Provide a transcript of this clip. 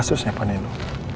satu kasusnya panino